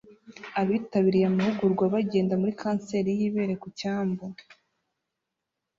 Abitabiriye amahugurwa bagenda muri kanseri y'ibere ku cyambu